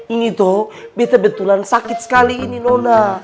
ini tuh betulan sakit sekali ini nona